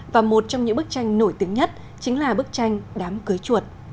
và một trong những bức tranh nổi tiếng nhất chính là bức tranh đám cưới chuột